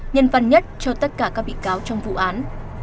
nhân văn nhất cho tất cả các bị cáo trong vụ án